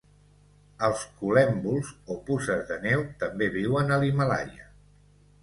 Els col·lèmbols, o puces de neu, també viuen a l'Himàlaia.